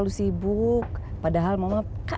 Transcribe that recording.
iya boleh pak